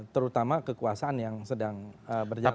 terutama kekuasaan yang sedang berjalan